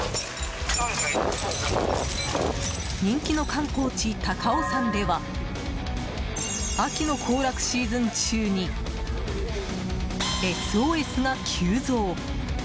人気の観光地、高尾山では秋の行楽シーズン中にＳＯＳが急増。